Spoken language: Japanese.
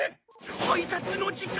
配達の時間！